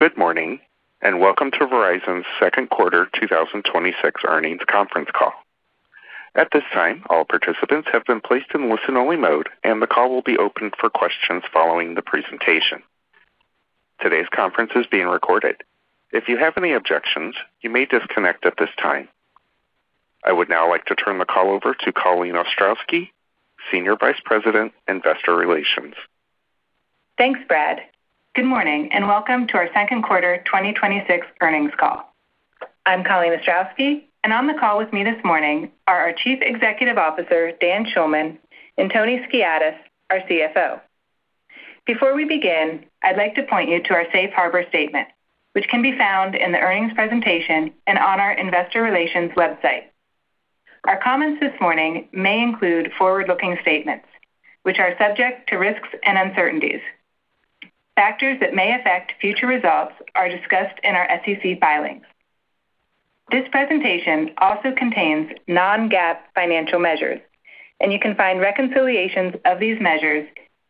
Good morning, welcome to Verizon's second quarter 2026 earnings conference call. At this time, all participants have been placed in listen-only mode, the call will be opened for questions following the presentation. Today's conference is being recorded. If you have any objections, you may disconnect at this time. I would now like to turn the call over to Colleen Ostrowski, Senior Vice President, Investor Relations. Thanks, Brad. Good morning, welcome to our second quarter 2026 earnings call. I'm Colleen Ostrowski, on the call with me this morning are our Chief Executive Officer, Dan Schulman, and Tony Skiadas, our CFO. Before we begin, I'd like to point you to our safe harbor statement, which can be found in the earnings presentation and on our investor relations website. Our comments this morning may include forward-looking statements, which are subject to risks and uncertainties. Factors that may affect future results are discussed in our SEC filings. This presentation also contains non-GAAP financial measures, you can find reconciliations of these measures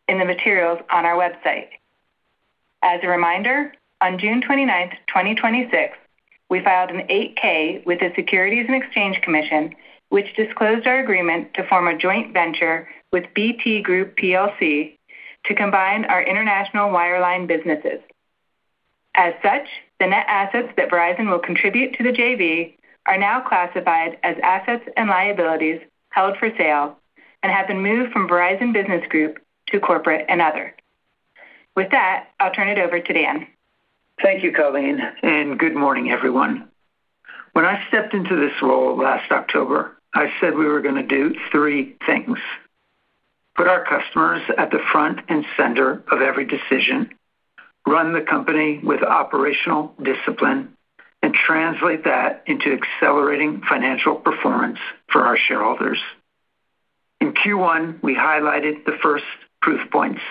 in the materials on our website. As a reminder, on June 29th, 2026, we filed an 8-K with the Securities and Exchange Commission, which disclosed our agreement to form a joint venture with BT Group plc to combine our international wireline businesses. As such, the net assets that Verizon will contribute to the JV are now classified as assets and liabilities held for sale have been moved from Verizon Business Group to corporate and other. With that, I'll turn it over to Dan. Thank you, Colleen, good morning, everyone. When I stepped into this role last October, I said we were going to do three things: put our customers at the front and center of every decision, run the company with operational discipline, and translate that into accelerating financial performance for our shareholders. In Q1, we highlighted the first proof points.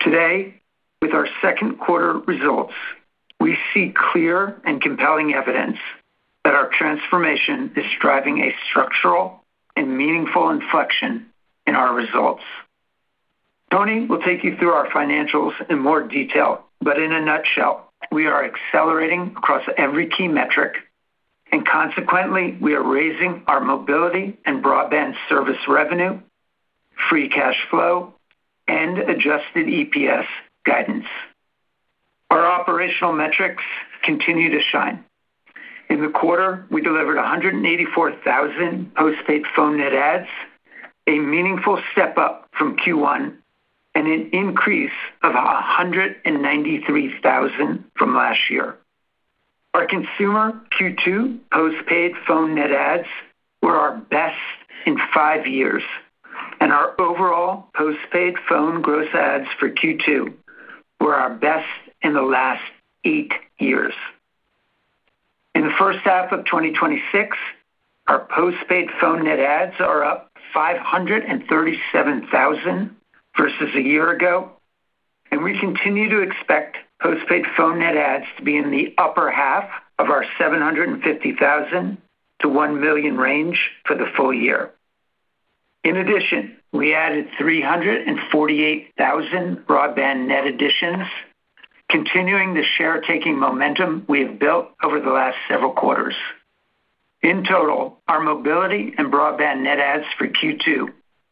Today, with our second quarter results, we see clear and compelling evidence that our transformation is driving a structural and meaningful inflection in our results. Tony will take you through our financials in more detail, in a nutshell, we are accelerating across every key metric, consequently, we are raising our mobility and broadband service revenue, free cash flow, and adjusted EPS guidance. Our operational metrics continue to shine. In the quarter, we delivered 184,000 postpaid phone net adds, a meaningful step-up from Q1, and an increase of 193,000 from last year. Our consumer Q2 postpaid phone net adds were our best in five years, and our overall postpaid phone gross adds for Q2 were our best in the last eight years. In the first half of 2026, our postpaid phone net adds are up 537,000 versus a year ago. We continue to expect postpaid phone net adds to be in the upper half of our 750,000-1 million range for the full year. In addition, we added 348,000 broadband net additions, continuing the share taking momentum we have built over the last several quarters. In total, our mobility and broadband net adds for Q2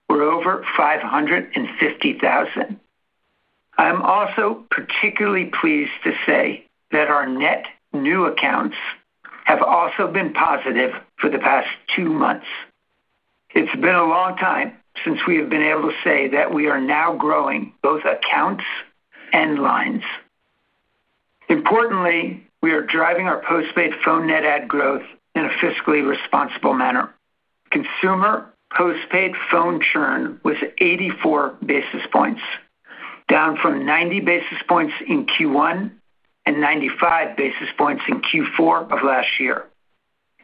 were over 550,000. I'm also particularly pleased to say that our net new accounts have also been positive for the past two months. It's been a long time since we have been able to say that we are now growing both accounts and lines. Importantly, we are driving our postpaid phone net add growth in a fiscally responsible manner. Consumer postpaid phone churn was 84 basis points, down from 90 basis points in Q1 and 95 basis points in Q4 of last year.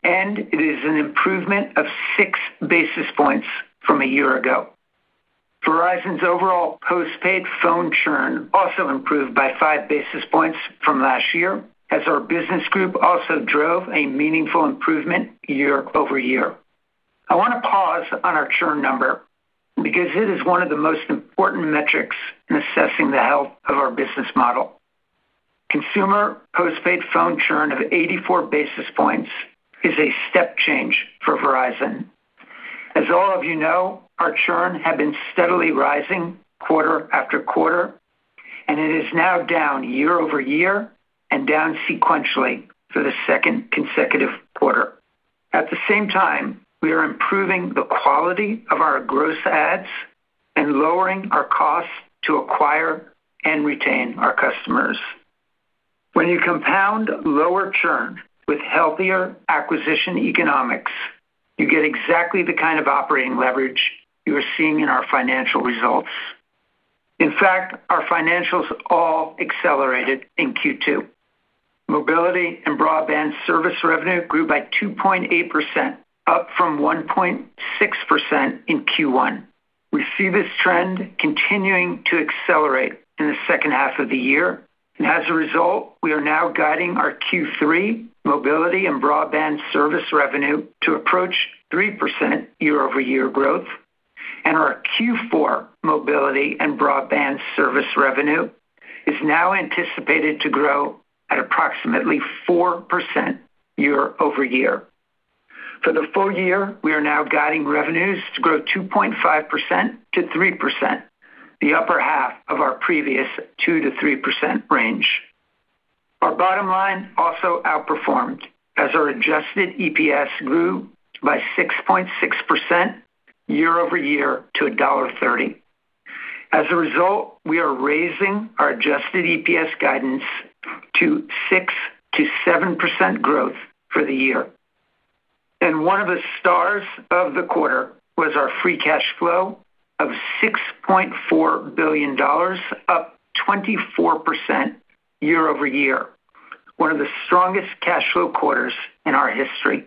It is an improvement of 6 basis points from a year ago. Verizon's overall postpaid phone churn also improved by 5 basis points from last year, as our business group also drove a meaningful improvement year-over-year. I want to pause on our churn number because it is one of the most important metrics in assessing the health of our business model. Consumer postpaid phone churn of 84 basis points is a step change for Verizon. As all of you know, our churn had been steadily rising quarter after quarter, and it is now down year-over-year and down sequentially for the second consecutive quarter. At the same time, we are improving the quality of our gross adds and lowering our costs to acquire and retain our customers. When you compound lower churn with healthier acquisition economics, you get exactly the kind of operating leverage you are seeing in our financial results. In fact, our financials all accelerated in Q2. Mobility and broadband service revenue grew by 2.8%, up from 1.6% in Q1. We see this trend continuing to accelerate in the second half of the year. As a result, we are now guiding our Q3 mobility and broadband service revenue to approach 3% year-over-year growth. Our Q4 mobility and broadband service revenue is now anticipated to grow at approximately 4% year-over-year. For the full year, we are now guiding revenues to grow 2.5%-3%, the upper half of our previous 2%-3% range. Our bottom line also outperformed as our adjusted EPS grew by 6.6% year-over-year to $1.30. As a result, we are raising our adjusted EPS guidance to 6%-7% growth for the year. One of the stars of the quarter was our free cash flow of $6.4 billion, up 24% year-over-year, one of the strongest cash flow quarters in our history.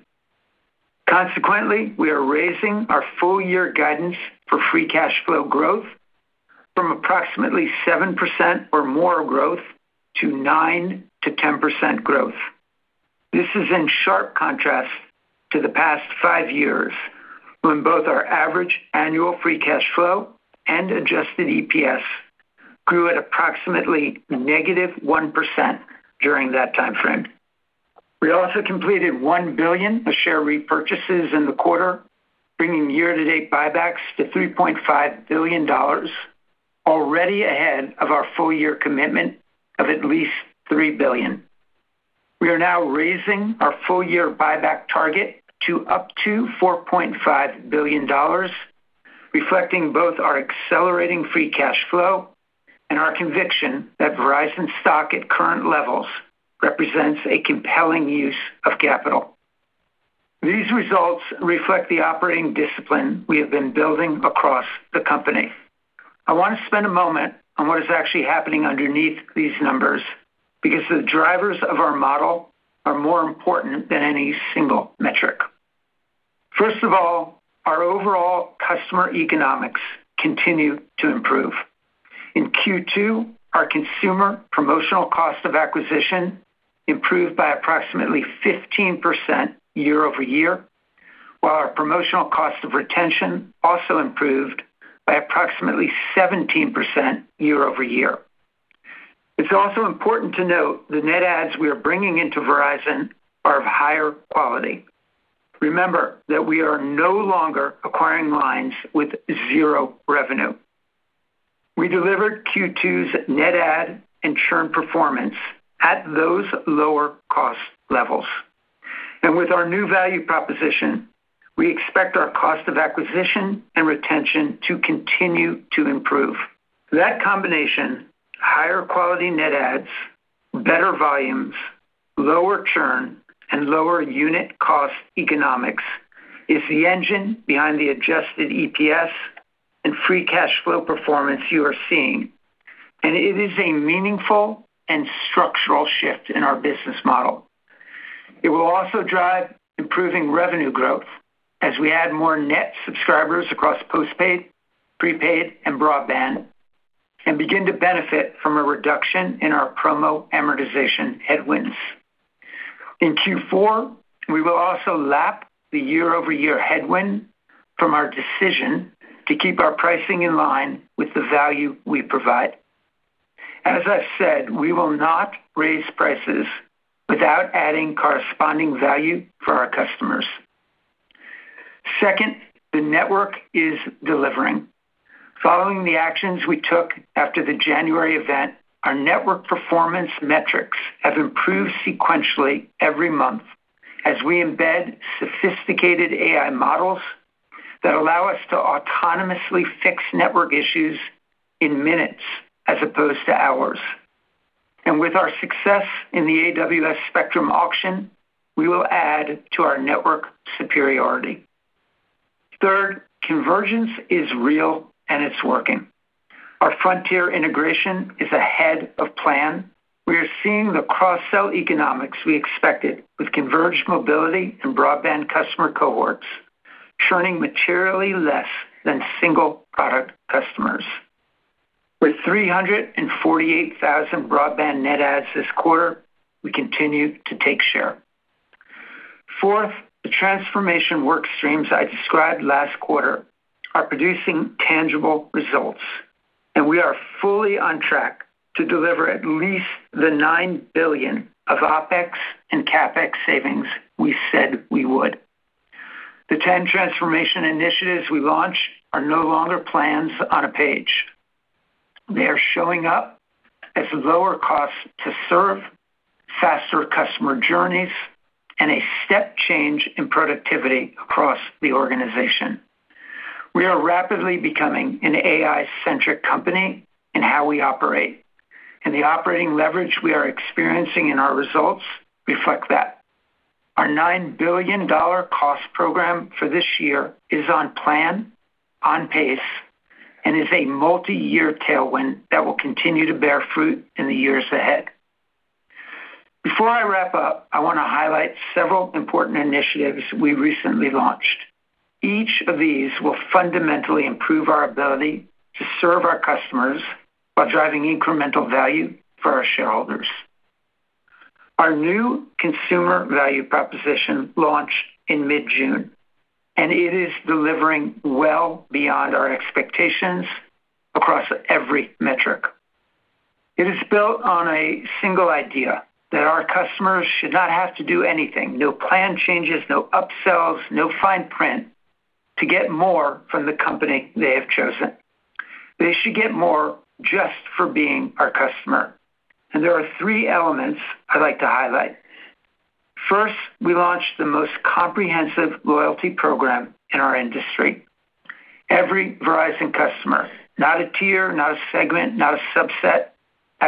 Consequently, we are raising our full year guidance for free cash flow growth from approximately 7% or more growth to 9%-10% growth. This is in sharp contrast to the past five years, when both our average annual free cash flow and adjusted EPS grew at approximately -1% during that timeframe. We also completed $1 billion of share repurchases in the quarter, bringing year-to-date buybacks to $3.5 billion, already ahead of our full year commitment of at least $3 billion. We are now raising our full year buyback target to up to $4.5 billion, reflecting both our accelerating free cash flow and our conviction that Verizon stock at current levels represents a compelling use of capital. These results reflect the operating discipline we have been building across the company. I want to spend a moment on what is actually happening underneath these numbers, because the drivers of our model are more important than any single metric. First of all, our overall customer economics continue to improve. In Q2, our consumer promotional cost of acquisition improved by approximately 15% year-over-year, while our promotional cost of retention also improved by approximately 17% year-over-year. It's also important to note the net adds we are bringing into Verizon are of higher quality. Remember that we are no longer acquiring lines with zero revenue. We delivered Q2's net add and churn performance at those lower cost levels. With our new value proposition, we expect our cost of acquisition and retention to continue to improve. That combination, higher quality net adds, better volumes, lower churn, and lower unit cost economics, is the engine behind the adjusted EPS and free cash flow performance you are seeing, and it is a meaningful and structural shift in our business model. It will also drive improving revenue growth as we add more net subscribers across postpaid, prepaid, and broadband, and begin to benefit from a reduction in our promo amortization headwinds. In Q4, we will also lap the year-over-year headwind from our decision to keep our pricing in line with the value we provide. As I've said, we will not raise prices without adding corresponding value for our customers. Second, the network is delivering. Following the actions we took after the January event, our network performance metrics have improved sequentially every month as we embed sophisticated AI models that allow us to autonomously fix network issues in minutes as opposed to hours. With our success in the AWS spectrum auction, we will add to our network superiority. Third, convergence is real, and it's working. Our Frontier integration is ahead of plan. We are seeing the cross-sell economics we expected with converged mobility and broadband customer cohorts churning materially less than single product customers. With 348,000 broadband net adds this quarter, we continue to take share. Fourth, the transformation workstreams I described last quarter are producing tangible results, and we are fully on track to deliver at least the $9 billion of OpEx and CapEx savings we said we would. The 10 transformation initiatives we launched are no longer plans on a page. They are showing up as lower costs to serve, faster customer journeys, and a step change in productivity across the organization. We are rapidly becoming an AI-centric company in how we operate, and the operating leverage we are experiencing in our results reflect that. Our $9 billion cost program for this year is on plan, on pace, and is a multiyear tailwind that will continue to bear fruit in the years ahead. Before I wrap up, I want to highlight several important initiatives we recently launched. Each of these will fundamentally improve our ability to serve our customers while driving incremental value for our shareholders. Our new consumer value proposition launched in mid-June, and it is delivering well beyond our expectations across every metric. It is built on a single idea, that our customers should not have to do anything, no plan changes, no upsells, no fine print to get more from the company they have chosen. They should get more just for being our customer. There are three elements I'd like to highlight. First, we launched the most comprehensive loyalty program in our industry. Every Verizon customer, not a tier, not a segment, not a subset,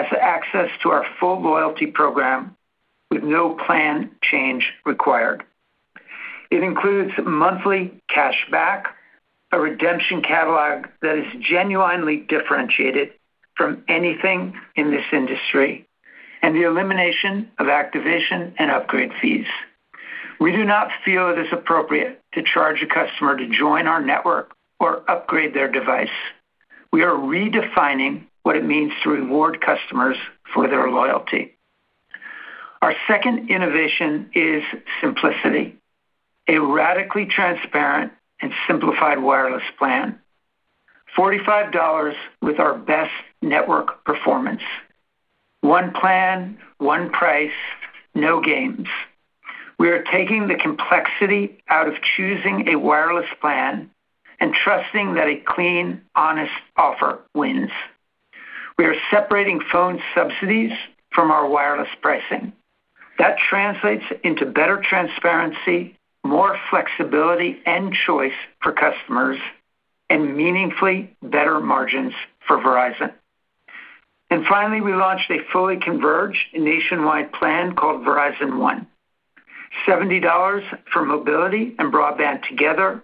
has access to our full loyalty program with no plan change required. It includes monthly cashback, a redemption catalog that is genuinely differentiated from anything in this industry, and the elimination of activation and upgrade fees. We do not feel it is appropriate to charge a customer to join our network or upgrade their device. We are redefining what it means to reward customers for their loyalty. Our second innovation is Simplicity. A radically transparent and simplified wireless plan. $45 with our best network performance. One plan, one price, no games. We are taking the complexity out of choosing a wireless plan and trusting that a clean, honest offer wins. We are separating phone subsidies from our wireless pricing. That translates into better transparency, more flexibility and choice for customers, and meaningfully better margins for Verizon. Finally, we launched a fully converged nationwide plan called Verizon One. $70 for mobility and broadband together,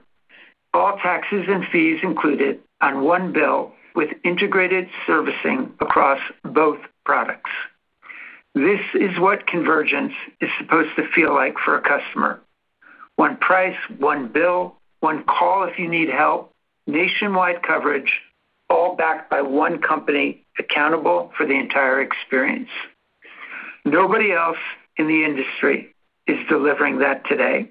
all taxes and fees included on one bill with integrated servicing across both products. This is what convergence is supposed to feel like for a customer. One price, one bill, one call if you need help, nationwide coverage, all backed by one company accountable for the entire experience. Nobody else in the industry is delivering that today.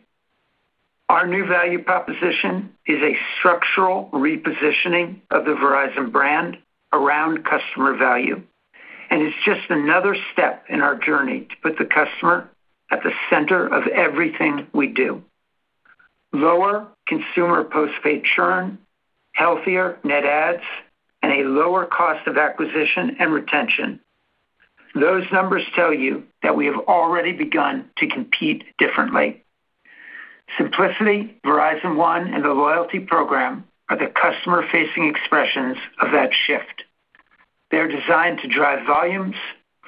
Our new value proposition is a structural repositioning of the Verizon brand around customer value. It's just another step in our journey to put the customer at the center of everything we do. Lower consumer postpaid churn, healthier net adds, and a lower cost of acquisition and retention. Those numbers tell you that we have already begun to compete differently. Simplicity, Verizon One, and the loyalty program are the customer-facing expressions of that shift. They're designed to drive volumes,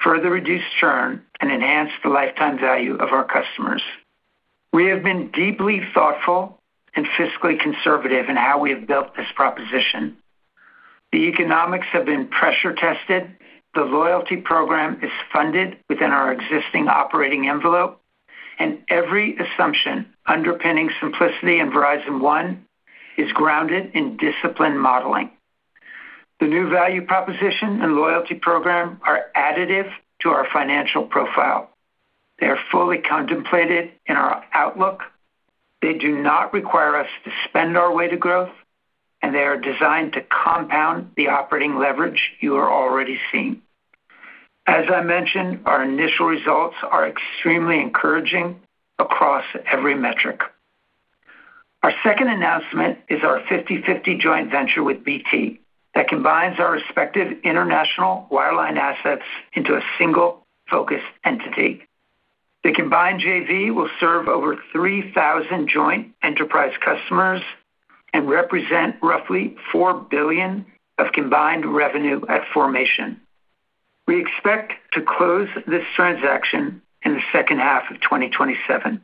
further reduce churn, and enhance the lifetime value of our customers. We have been deeply thoughtful and fiscally conservative in how we have built this proposition. The economics have been pressure tested, the loyalty program is funded within our existing operating envelope, and every assumption underpinning Simplicity and Verizon One is grounded in disciplined modeling. The new value proposition and loyalty program are additive to our financial profile. They are fully contemplated in our outlook. They do not require us to spend our way to growth, they are designed to compound the operating leverage you are already seeing. As I mentioned, our initial results are extremely encouraging across every metric. Our second announcement is our 50/50 joint venture with BT that combines our respective international wireline assets into a single focused entity. The combined JV will serve over 3,000 joint enterprise customers and represent roughly $4 billion of combined revenue at formation. We expect to close this transaction in the second half of 2027.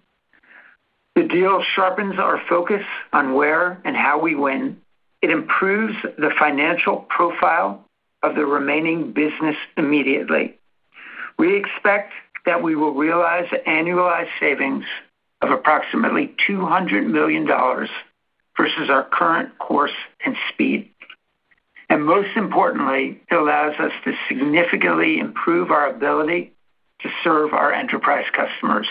The deal sharpens our focus on where and how we win. It improves the financial profile of the remaining business immediately. We expect that we will realize annualized savings of approximately $200 million versus our current course and speed. Most importantly, it allows us to significantly improve our ability to serve our enterprise customers.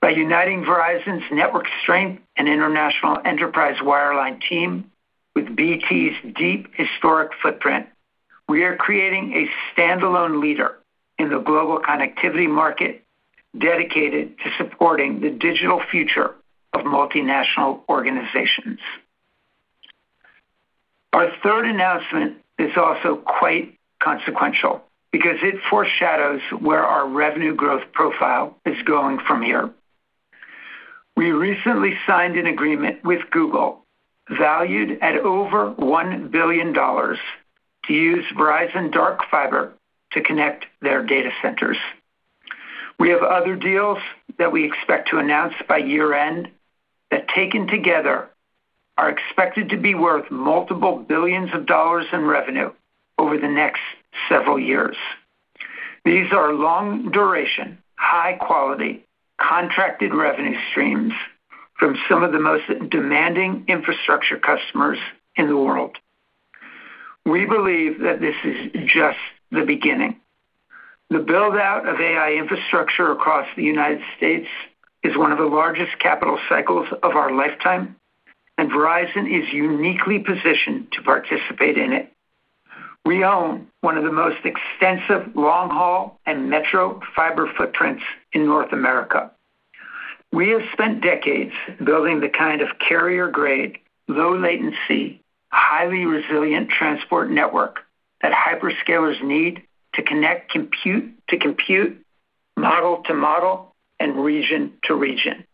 By uniting Verizon's network strength and international enterprise wireline team with BT's deep historic footprint, we are creating a standalone leader in the global connectivity market dedicated to supporting the digital future of multinational organizations. Our third announcement is also quite consequential because it foreshadows where our revenue growth profile is going from here. We recently signed an agreement with Google, valued at over $1 billion, to use Verizon dark fiber to connect their data centers. We have other deals that we expect to announce by year-end that, taken together, are expected to be worth multiple billions of dollars in revenue over the next several years. These are long-duration, high-quality contracted revenue streams from some of the most demanding infrastructure customers in the world. We believe that this is just the beginning. The build-out of AI infrastructure across the United States is one of the largest capital cycles of our lifetime, Verizon is uniquely positioned to participate in it. We own one of the most extensive long-haul and metro fiber footprints in North America. We have spent decades building the kind of carrier-grade, low latency, highly resilient transport network that hyperscalers need to connect compute to compute, model to model, and region to region.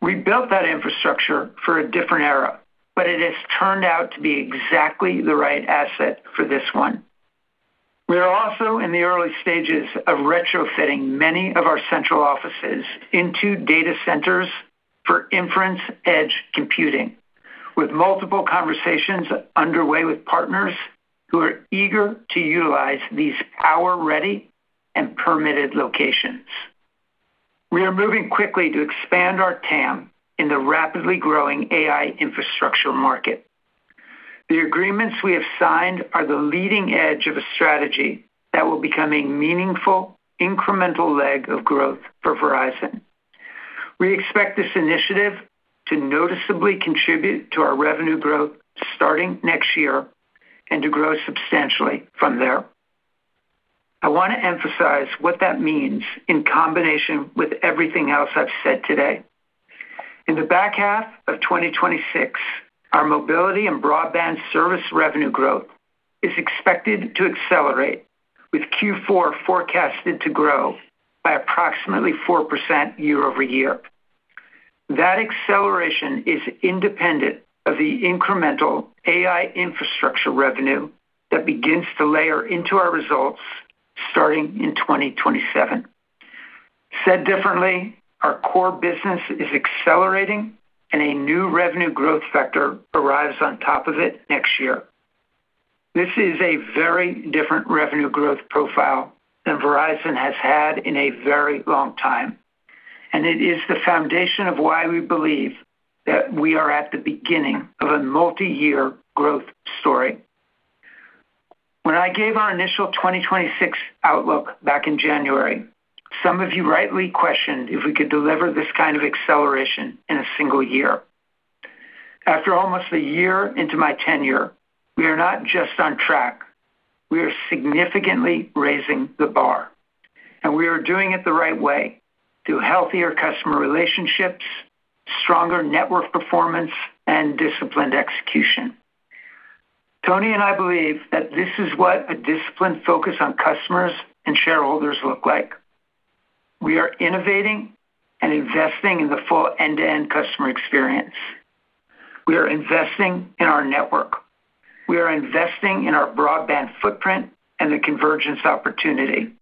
We built that infrastructure for a different era, but it has turned out to be exactly the right asset for this one. We are also in the early stages of retrofitting many of our central offices into data centers for inference edge computing, with multiple conversations underway with partners who are eager to utilize these power-ready and permitted locations. We are moving quickly to expand our TAM in the rapidly growing AI infrastructure market. The agreements we have signed are the leading edge of a strategy that will become a meaningful, incremental leg of growth for Verizon. We expect this initiative to noticeably contribute to our revenue growth starting next year, to grow substantially from there. I want to emphasize what that means in combination with everything else I've said today. In the back half of 2026, our mobility and broadband service revenue growth is expected to accelerate, with Q4 forecasted to grow by approximately 4% year-over-year. That acceleration is independent of the incremental AI infrastructure revenue that begins to layer into our results starting in 2027. Said differently, our core business is accelerating, a new revenue growth vector arrives on top of it next year. This is a very different revenue growth profile than Verizon has had in a very long time, and it is the foundation of why we believe that we are at the beginning of a multi-year growth story. When I gave our initial 2026 outlook back in January, some of you rightly questioned if we could deliver this kind of acceleration in a single year. After almost a year into my tenure, we are not just on track, we are significantly raising the bar. We are doing it the right way, through healthier customer relationships, stronger network performance, and disciplined execution. Tony and I believe that this is what a disciplined focus on customers and shareholders look like. We are innovating and investing in the full end-to-end customer experience. We are investing in our network. We are investing in our broadband footprint and the convergence opportunity.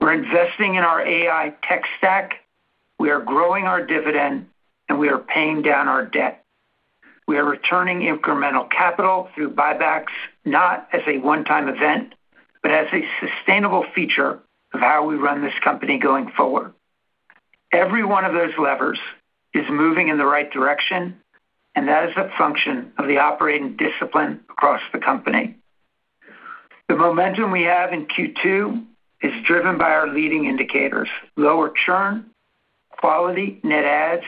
We're investing in our AI tech stack, we are growing our dividend, and we are paying down our debt. We are returning incremental capital through buybacks, not as a one-time event, but as a sustainable feature of how we run this company going forward. Every one of those levers is moving in the right direction, and that is a function of the operating discipline across the company. The momentum we have in Q2 is driven by our leading indicators, lower churn, quality net adds,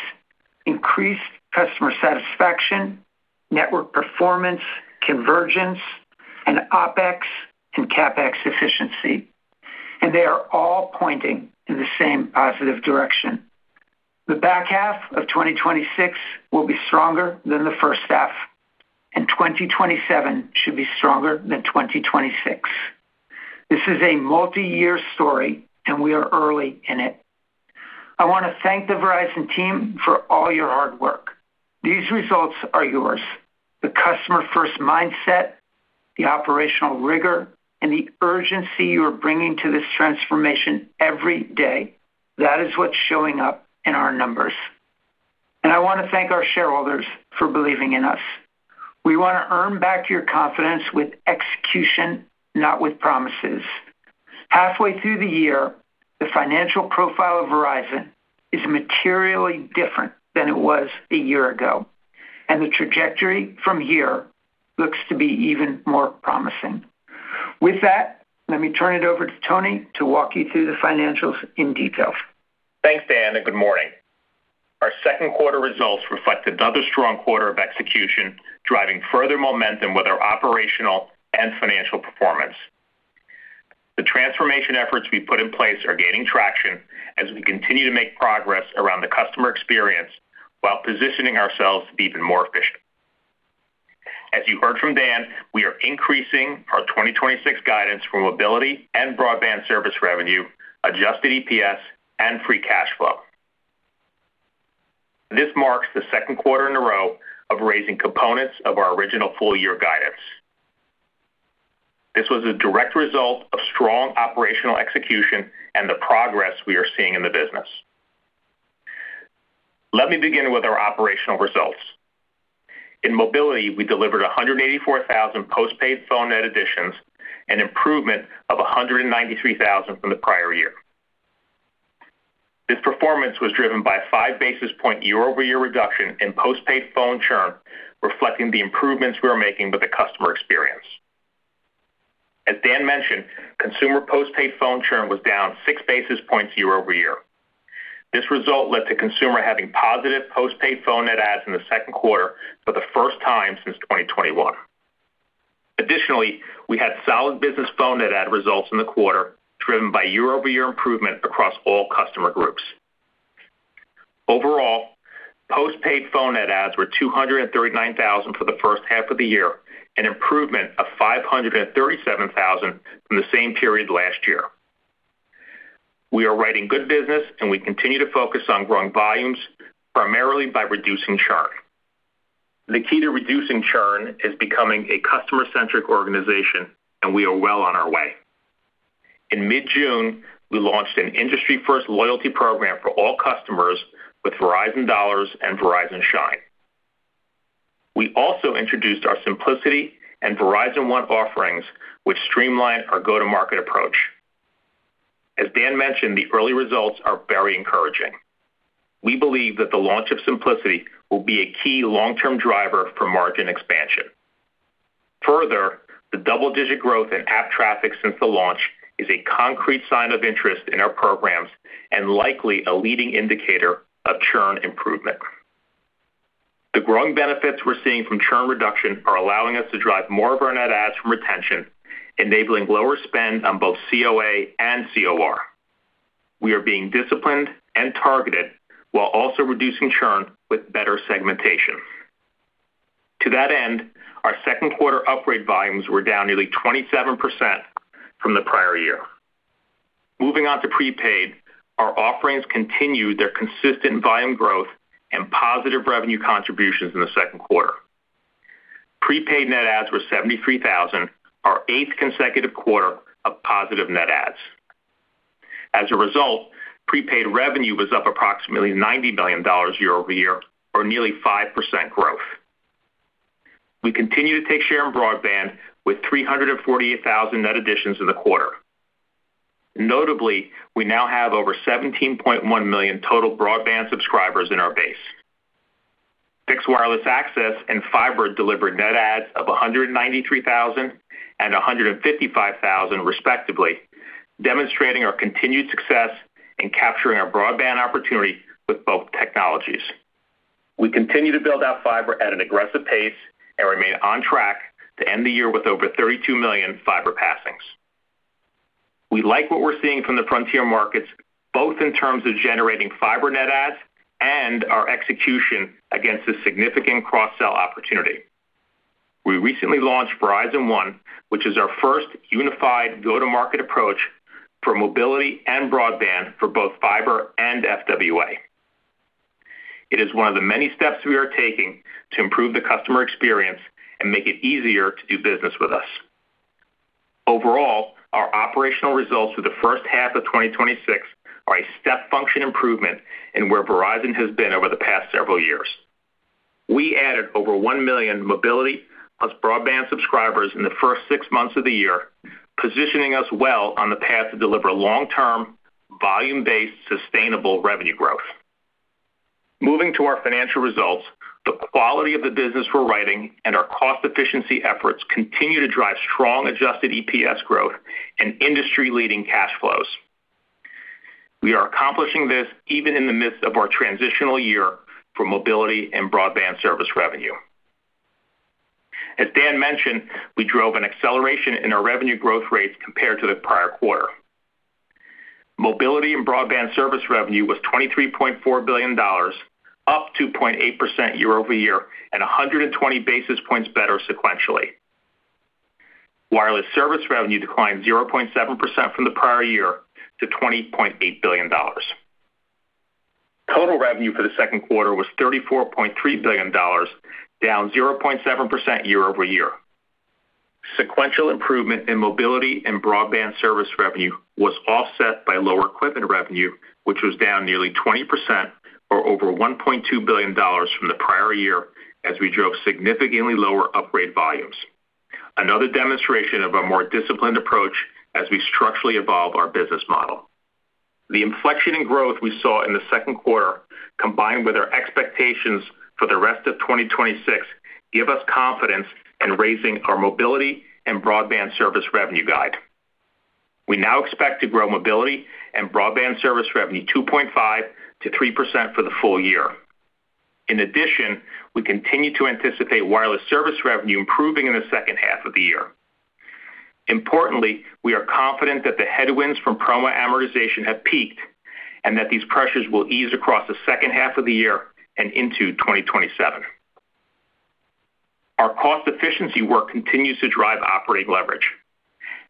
increased customer satisfaction, network performance, convergence, and OpEx and CapEx efficiency, and they are all pointing in the same positive direction. The back half of 2026 will be stronger than the first half, and 2027 should be stronger than 2026. This is a multi-year story, and we are early in it. I want to thank the Verizon team for all your hard work. These results are yours. The customer-first mindset, the operational rigor, and the urgency you are bringing to this transformation every day, that is what's showing up in our numbers. I want to thank our shareholders for believing in us. We want to earn back your confidence with execution, not with promises. Halfway through the year, the financial profile of Verizon is materially different than it was a year ago, and the trajectory from here looks to be even more promising. With that, let me turn it over to Tony to walk you through the financials in detail. Thanks, Dan. Good morning. Our second quarter results reflect another strong quarter of execution, driving further momentum with our operational and financial performance. The transformation efforts we put in place are gaining traction as we continue to make progress around the customer experience while positioning ourselves to be even more efficient. As you heard from Dan, we are increasing our 2026 guidance for mobility and broadband service revenue, adjusted EPS, and free cash flow. This marks the second quarter in a row of raising components of our original full-year guidance. This was a direct result of strong operational execution and the progress we are seeing in the business. Let me begin with our operational results. In mobility, we delivered 184,000 postpaid phone net additions, an improvement of 193,000 from the prior year. Performance was driven by a five basis point year-over-year reduction in postpaid phone churn, reflecting the improvements we are making with the customer experience. As Dan mentioned, consumer postpaid phone churn was down 6 basis points year-over-year. This result led to consumer having positive postpaid phone net adds in the second quarter for the first time since 2021. Additionally, we had solid business phone net add results in the quarter, driven by year-over-year improvement across all customer groups. Overall, postpaid phone net adds were 239,000 for the first half of the year, an improvement of 537,000 from the same period last year. We are writing good business, and we continue to focus on growing volumes, primarily by reducing churn. The key to reducing churn is becoming a customer-centric organization, and we are well on our way. In mid-June, we launched an industry-first loyalty program for all customers with Verizon Dollars and Verizon Shine. We also introduced our Simplicity and Verizon One offerings, which streamline our go-to-market approach. As Dan mentioned, the early results are very encouraging. We believe that the launch of Simplicity will be a key long-term driver for margin expansion. Further, the double-digit growth in app traffic since the launch is a concrete sign of interest in our programs and likely a leading indicator of churn improvement. The growing benefits we're seeing from churn reduction are allowing us to drive more of our net adds from retention, enabling lower spend on both COA and COR. We are being disciplined and targeted while also reducing churn with better segmentation. To that end, our second quarter upgrade volumes were down nearly 27% from the prior year. Moving on to prepaid, our offerings continued their consistent volume growth and positive revenue contributions in the second quarter. Prepaid net adds were 73,000, our eighth consecutive quarter of positive net adds. As a result, prepaid revenue was up approximately $90 million year-over-year, or nearly 5% growth. We continue to take share in broadband with 348,000 net additions in the quarter. Notably, we now have over 17.1 million total broadband subscribers in our base. Fixed wireless access and fiber delivered net adds of 193,000 and 155,000 respectively, demonstrating our continued success in capturing our broadband opportunity with both technologies. We continue to build out fiber at an aggressive pace and remain on track to end the year with over 32 million fiber passings. We like what we're seeing from the frontier markets, both in terms of generating fiber net adds and our execution against a significant cross-sell opportunity. We recently launched Verizon One, which is our first unified go-to-market approach for mobility and broadband for both fiber and FWA. It is one of the many steps we are taking to improve the customer experience and make it easier to do business with us. Overall, our operational results for the first half of 2026 are a step function improvement in where Verizon has been over the past several years. We added over one million mobility plus broadband subscribers in the first six months of the year, positioning us well on the path to deliver long-term, volume-based, sustainable revenue growth. Moving to our financial results, the quality of the business we're writing and our cost efficiency efforts continue to drive strong adjusted EPS growth and industry-leading cash flows. We are accomplishing this even in the midst of our transitional year for mobility and broadband service revenue. As Dan mentioned, we drove an acceleration in our revenue growth rates compared to the prior quarter. Mobility and broadband service revenue was $23.4 billion, up 2.8% year-over-year and 120 basis points better sequentially. Wireless service revenue declined 0.7% from the prior year to $20.8 billion. Total revenue for the second quarter was $34.3 billion, down 0.7% year-over-year. Sequential improvement in mobility and broadband service revenue was offset by lower equipment revenue, which was down nearly 20%, or over $1.2 billion from the prior year, as we drove significantly lower upgrade volumes. Another demonstration of a more disciplined approach as we structurally evolve our business model. The inflection in growth we saw in the second quarter, combined with our expectations for the rest of 2026, give us confidence in raising our mobility and broadband service revenue guide. We now expect to grow mobility and broadband service revenue 2.5%-3% for the full year. We continue to anticipate wireless service revenue improving in the second half of the year. Importantly, we are confident that the headwinds from promo amortization have peaked, and that these pressures will ease across the second half of the year and into 2027. Our cost efficiency work continues to drive operating leverage.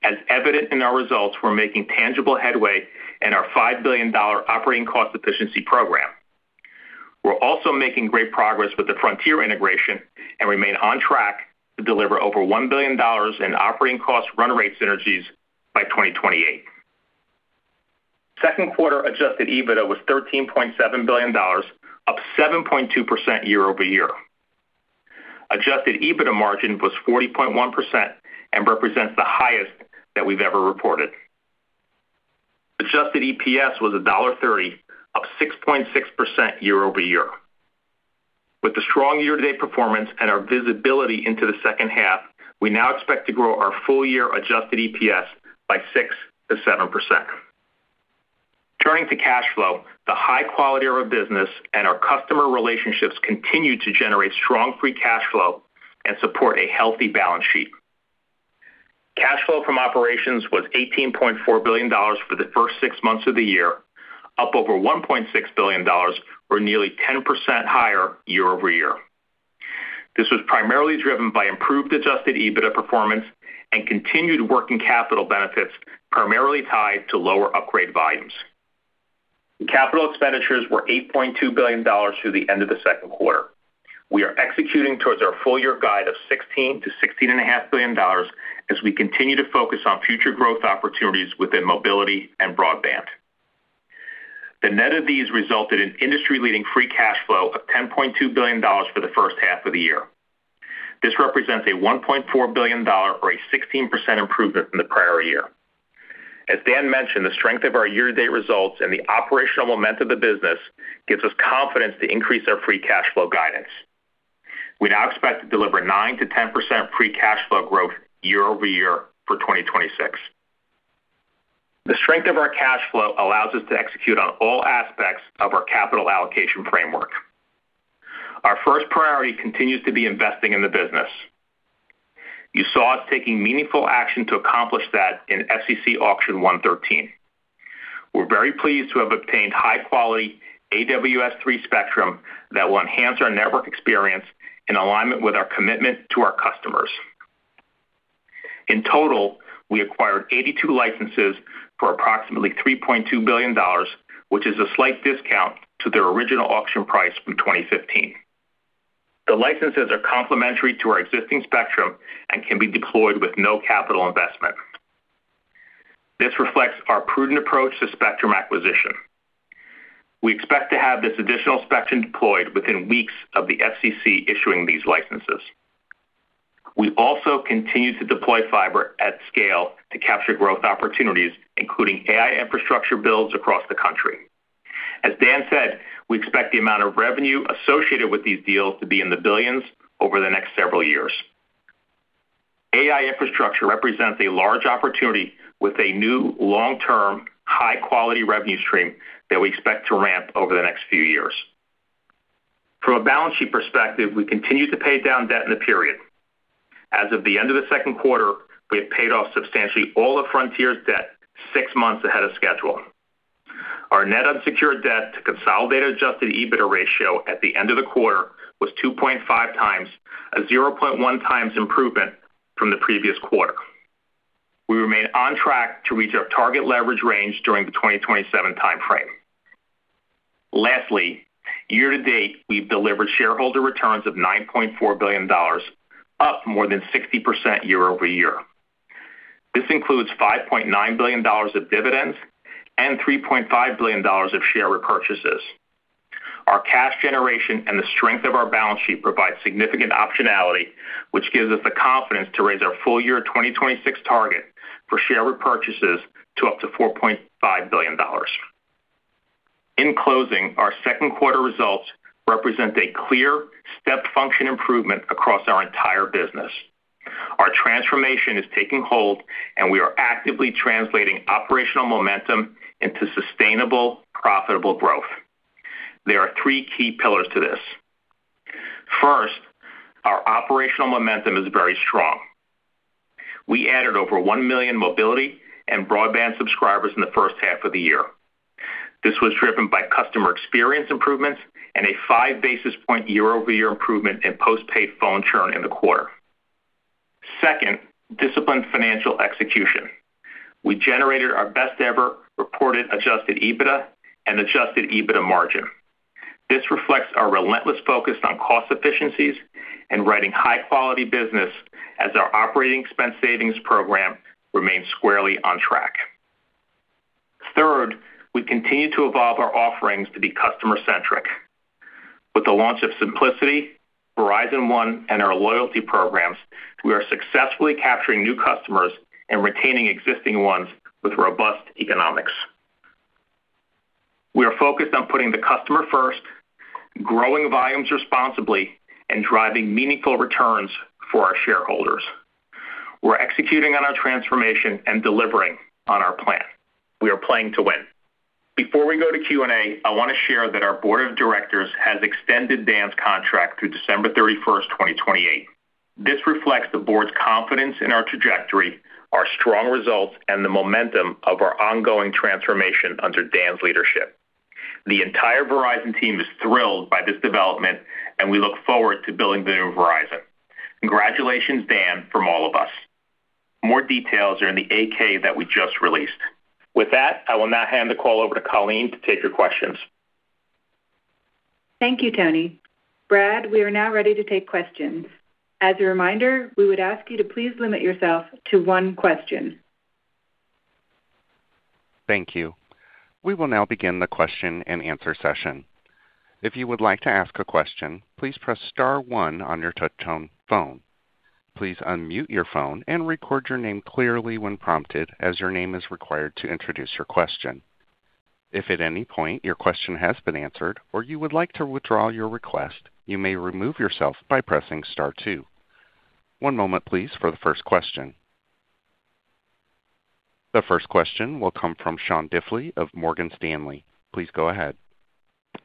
As evident in our results, we're making tangible headway in our $5 billion operating cost efficiency program. We're also making great progress with the Frontier integration and remain on track to deliver over $1 billion in operating cost run rate synergies by 2028. Second quarter adjusted EBITDA was $13.7 billion, up 7.2% year-over-year. Adjusted EBITDA margin was 40.1% and represents the highest that we've ever reported. Adjusted EPS was $1.30, up 6.6% year-over-year. With the strong year-to-date performance and our visibility into the second half, we now expect to grow our full year adjusted EPS by 6%-7%. Turning to cash flow, the high quality of our business and our customer relationships continue to generate strong free cash flow and support a healthy balance sheet. Cash flow from operations was $18.4 billion for the first six months of the year, up over $1.6 billion, or nearly 10% higher year-over-year. This was primarily driven by improved adjusted EBITDA performance and continued working capital benefits, primarily tied to lower upgrade volumes. Capital expenditures were $8.2 billion through the end of the second quarter. We are executing towards our full year guide of $16 billion-$16.5 billion as we continue to focus on future growth opportunities within mobility and broadband. The net of these resulted in industry-leading free cash flow of $10.2 billion for the first half of the year. This represents a $1.4 billion, or a 16% improvement from the prior year. As Dan mentioned, the strength of our year-to-date results and the operational momentum of the business gives us confidence to increase our free cash flow guidance. We now expect to deliver 9%-10% free cash flow growth year-over-year for 2026. The strength of our cash flow allows us to execute on all aspects of our capital allocation framework. Our first priority continues to be investing in the business. You saw us taking meaningful action to accomplish that in FCC Auction 113. We're very pleased to have obtained high-quality AWS-3 spectrum that will enhance our network experience in alignment with our commitment to our customers. In total, we acquired 82 licenses for approximately $3.2 billion, which is a slight discount to their original auction price from 2015. The licenses are complementary to our existing spectrum and can be deployed with no capital investment. This reflects our prudent approach to spectrum acquisition. We expect to have this additional spectrum deployed within weeks of the FCC issuing these licenses. We also continue to deploy fiber at scale to capture growth opportunities, including AI infrastructure builds across the country. As Dan said, we expect the amount of revenue associated with these deals to be in the billions over the next several years. AI infrastructure represents a large opportunity with a new long-term, high-quality revenue stream that we expect to ramp over the next few years. From a balance sheet perspective, we continue to pay down debt in the period. As of the end of the second quarter, we have paid off substantially all of Frontier's debt six months ahead of schedule. Our net unsecured debt to consolidated adjusted EBITDA ratio at the end of the quarter was 2.5x, a 0.1x improvement from the previous quarter. We remain on track to reach our target leverage range during the 2027 timeframe. Lastly, year to date, we've delivered shareholder returns of $9.4 billion, up more than 60% year-over-year. This includes $5.9 billion of dividends and $3.5 billion of share repurchases. Our cash generation and the strength of our balance sheet provide significant optionality, which gives us the confidence to raise our full year 2026 target for share repurchases to up to $4.5 billion. In closing, our second quarter results represent a clear step function improvement across our entire business. Our transformation is taking hold, and we are actively translating operational momentum into sustainable, profitable growth. There are three key pillars to this. First, our operational momentum is very strong. We added over one million mobility and broadband subscribers in the first half of the year. This was driven by customer experience improvements and a five-basis point year-over-year improvement in postpaid phone churn in the quarter. Second, disciplined financial execution. We generated our best ever reported adjusted EBITDA and adjusted EBITDA margin. This reflects our relentless focus on cost efficiencies and writing high-quality business as our operating expense savings program remains squarely on track. Third, we continue to evolve our offerings to be customer-centric. With the launch of Simplicity, Verizon One, and our loyalty programs, we are successfully capturing new customers and retaining existing ones with robust economics. We are focused on putting the customer first, growing volumes responsibly, driving meaningful returns for our shareholders. We're executing on our transformation and delivering on our plan. We are playing to win. Before we go to Q&A, I want to share that our board of directors has extended Dan's contract through December 31st, 2028. This reflects the board's confidence in our trajectory, our strong results, and the momentum of our ongoing transformation under Dan's leadership. The entire Verizon team is thrilled by this development, and we look forward to building the new Verizon. Congratulations, Dan, from all of us. More details are in the 8-K that we just released. With that, I will now hand the call over to Colleen to take your questions. Thank you, Tony. Brad, we are now ready to take questions. As a reminder, we would ask you to please limit yourself to one question Thank you. We will now begin the question and answer session. If you would like to ask a question, please press star one on your touch-tone phone. Please unmute your phone and record your name clearly when prompted, as your name is required to introduce your question. If at any point your question has been answered or you would like to withdraw your request, you may remove yourself by pressing star two. One moment please, for the first question. The first question will come from Sean Diffley of Morgan Stanley. Please go ahead.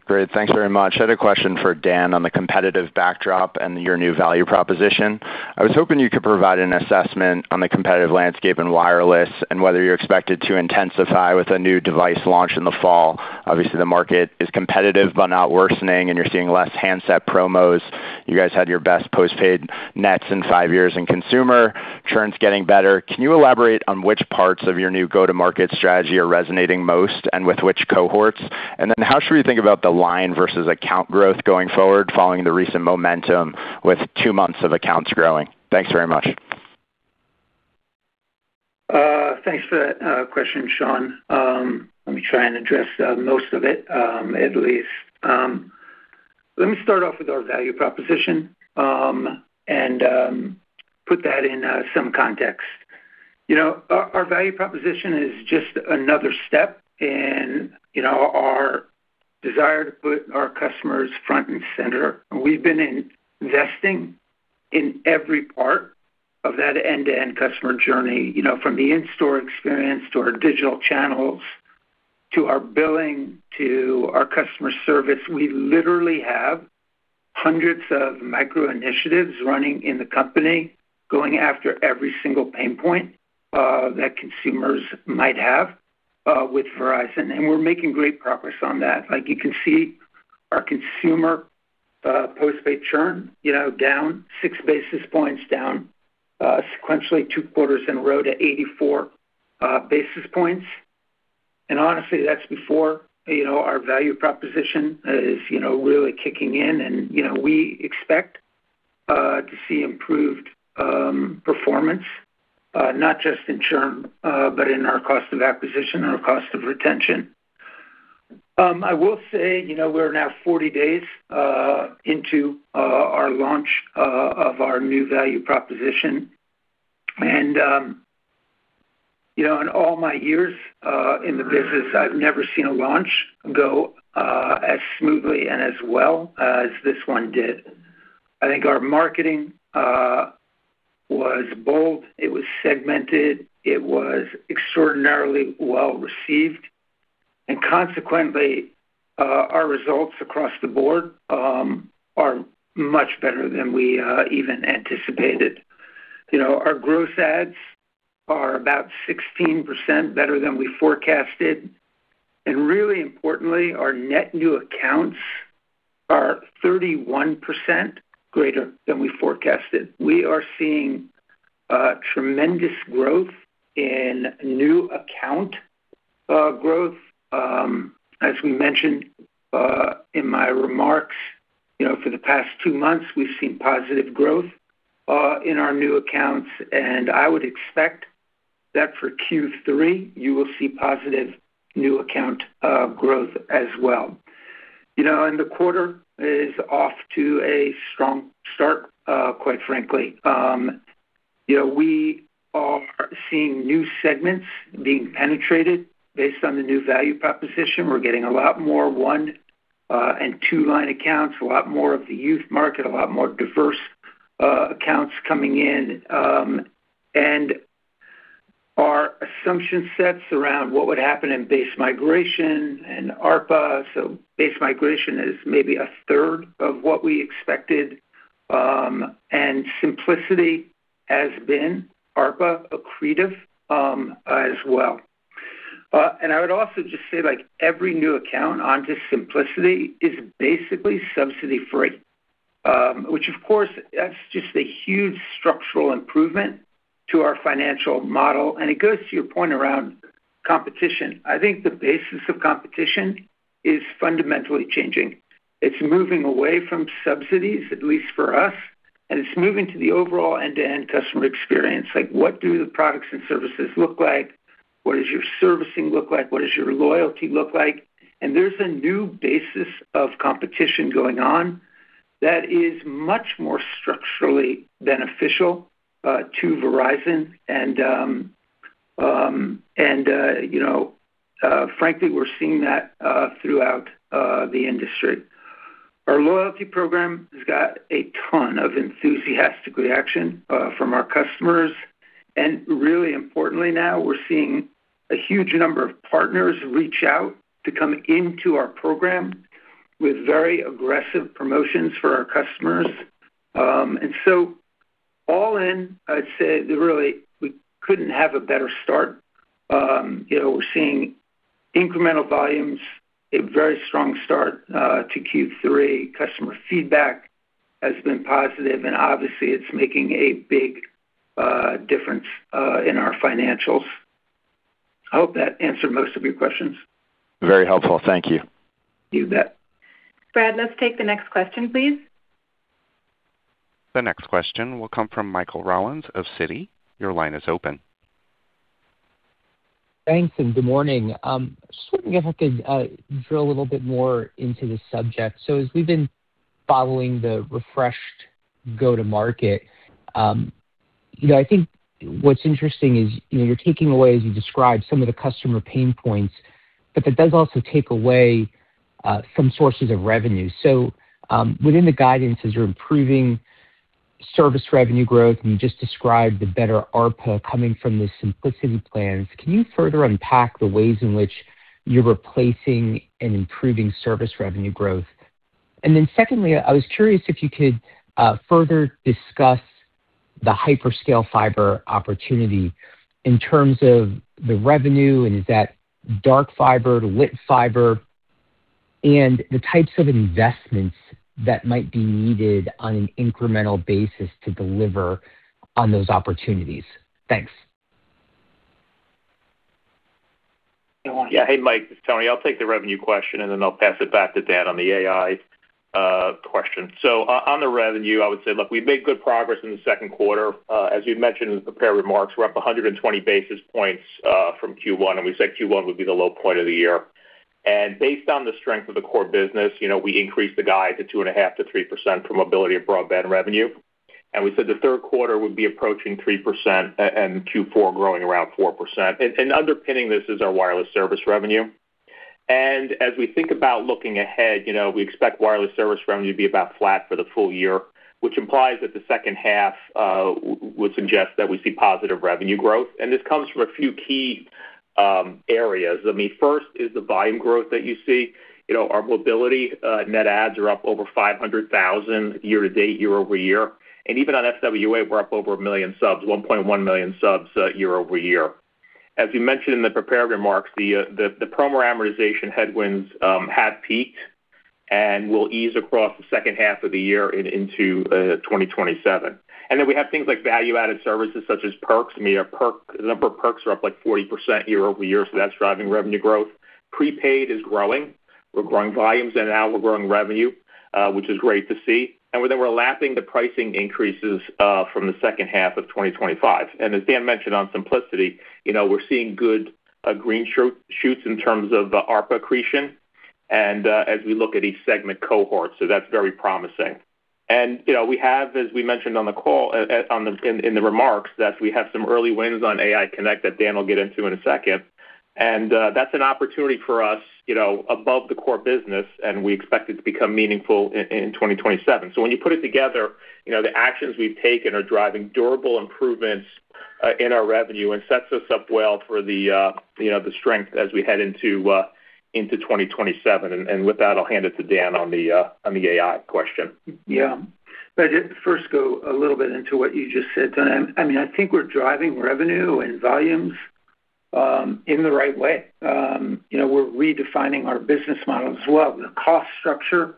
Great. Thanks very much. I had a question for Dan on the competitive backdrop and your new value proposition. I was hoping you could provide an assessment on the competitive landscape in wireless and whether you're expected to intensify with a new device launch in the fall. Obviously, the market is competitive but not worsening, and you're seeing less handset promos. You guys had your best postpaid nets in five years in consumer, churn's getting better. Can you elaborate on which parts of your new go-to-market strategy are resonating most and with which cohorts? How should we think about the line versus account growth going forward following the recent momentum with two months of accounts growing? Thanks very much. Thanks for that question, Sean. Let me try and address most of it, at least. Let me start off with our value proposition, and put that in some context. Our value proposition is just another step in our desire to put our customers front and center. We've been investing in every part of that end-to-end customer journey, from the in-store experience to our digital channels, to our billing, to our customer service. We literally have hundreds of micro initiatives running in the company, going after every single pain point that consumers might have with Verizon, and we're making great progress on that. You can see our consumer postpaid churn down 6 basis points, down sequentially two quarters in a row to 84 basis points. Honestly, that's before our value proposition is really kicking in. We expect to see improved performance, not just in churn, but in our cost of acquisition and our cost of retention. I will say, we're now 40 days into our launch of our new value proposition. In all my years in the business, I've never seen a launch go as smoothly and as well as this one did. I think our marketing was bold, it was segmented, it was extraordinarily well-received. Consequently, our results across the board are much better than we even anticipated. Our gross adds are about 16% better than we forecasted. Really importantly, our net new accounts are 31% greater than we forecasted. We are seeing tremendous growth in new account growth. As we mentioned in my remarks, for the past two months, we've seen positive growth in our new accounts. I would expect that for Q3, you will see positive new account growth as well. The quarter is off to a strong start, quite frankly. We are seeing new segments being penetrated based on the new value proposition. We're getting a lot more one and two-line accounts, a lot more of the youth market, a lot more diverse accounts coming in. Our assumption sets around what would happen in base migration and ARPA. Base migration is maybe a third of what we expected. Simplicity has been ARPA accretive as well. I would also just say, like every new account onto Simplicity is basically subsidy-free. Of course, that's just a huge structural improvement to our financial model, and it goes to your point around competition. I think the basis of competition is fundamentally changing. It's moving away from subsidies, at least for us, and it's moving to the overall end-to-end customer experience, like what do the products and services look like? What does your servicing look like? What does your loyalty look like? There's a new basis of competition going on that is much more structurally beneficial to Verizon. Frankly, we're seeing that throughout the industry. Our loyalty program has got a ton of enthusiastic reaction from our customers. Really importantly now, we're seeing a huge number of partners reach out to come into our program with very aggressive promotions for our customers. All in, I'd say that really, we couldn't have a better start. We're seeing incremental volumes, a very strong start to Q3. Customer feedback has been positive, and obviously it's making a big difference in our financials. I hope that answered most of your questions. Very helpful. Thank you. You bet. Brad, let's take the next question, please. The next question will come from Michael Rollins of Citi. Your line is open. Thanks, good morning. Just wondering if I could drill a little bit more into this subject. As we've been following the refreshed go-to-market, I think what's interesting is you're taking away, as you described, some of the customer pain points, but that does also take away some sources of revenue. Within the guidances, you're improving service revenue growth, and you just described the better ARPA coming from the Simplicity plans. Can you further unpack the ways in which you're replacing and improving service revenue growth? Secondly, I was curious if you could further discuss the hyperscale fiber opportunity in terms of the revenue, and is that dark fiber to lit fiber, and the types of investments that might be needed on an incremental basis to deliver on those opportunities. Thanks. Yeah. Hey, Mike, it's Tony. I'll take the revenue question, and then I'll pass it back to Dan on the AI question. On the revenue, I would say, look, we've made good progress in the second quarter. As you mentioned in the prepared remarks, we're up 120 basis points from Q1, and we said Q1 would be the low point of the year. Based on the strength of the core business, we increased the guide to 2.5%-3% for mobility and broadband revenue. We said the third quarter would be approaching 3%, and Q4 growing around 4%. Underpinning this is our wireless service revenue. As we think about looking ahead, we expect wireless service revenue to be about flat for the full year, which implies that the second half would suggest that we see positive revenue growth. This comes from a few key areas. First is the volume growth that you see. Our mobility net adds are up over 500,000 year-to-date, year-over-year. Even on FWA, we're up over 1 million subs, 1.1 million subs year-over-year. As we mentioned in the prepared remarks, the promo amortization headwinds have peaked and will ease across the second half of the year and into 2027. We have things like value-added services such as perks. The number of perks are up like 40% year-over-year, so that's driving revenue growth. Prepaid is growing. We're growing volumes, and now we're growing revenue, which is great to see. We're lapping the pricing increases from the second half of 2025. As Dan mentioned on Simplicity, we're seeing good green shoots in terms of the ARPA accretion and as we look at each segment cohort, so that's very promising. We have, as we mentioned in the remarks, that we have some early wins on AI Connect that Dan will get into in a second. That's an opportunity for us above the core business, and we expect it to become meaningful in 2027. When you put it together, the actions we've taken are driving durable improvements in our revenue and sets us up well for the strength as we head into 2027. With that, I'll hand it to Dan on the AI question. Yeah. First, go a little bit into what you just said, Tony. I think we're driving revenue and volumes in the right way. We're redefining our business model as well. The cost structure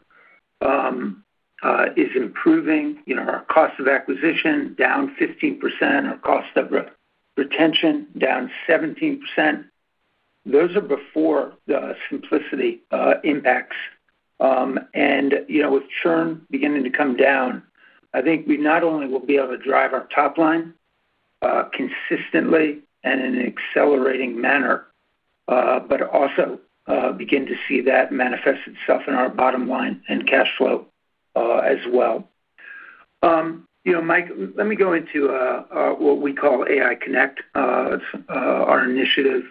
is improving, our cost of acquisition down 15%, our cost of retention down 17%. Those are before the Simplicity impacts. With churn beginning to come down, I think we not only will be able to drive our top line consistently and in an accelerating manner, but also begin to see that manifest itself in our bottom line and cash flow as well. Mike, let me go into what we call AI Connect, our initiative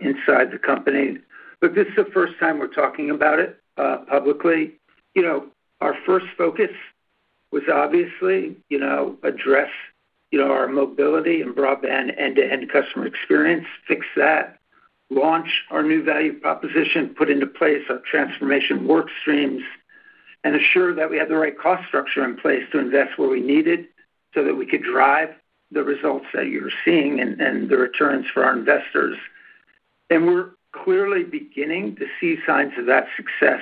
inside the company. Look, this is the first time we're talking about it publicly. Our first focus was obviously address our mobility and broadband end-to-end customer experience, fix that, launch our new value proposition, put into place our transformation work streams, and assure that we have the right cost structure in place to invest where we needed so that we could drive the results that you're seeing and the returns for our investors. We're clearly beginning to see signs of that success